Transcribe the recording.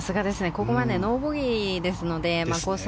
ここまでノーボギーですのでコース